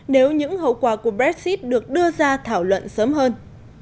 nếu những hậu quả của brexit được đưa ra thảo luận sớm hơn